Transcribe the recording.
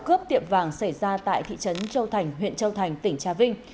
cướp tiệm vàng xảy ra tại thị trấn châu thành huyện châu thành tỉnh trà vinh